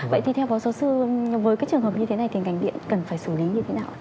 vậy thì theo phó giáo sư với các trường hợp như thế này thì ngành điện cần phải xử lý như thế nào